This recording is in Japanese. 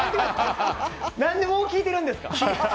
何でもう聞いてるんですか。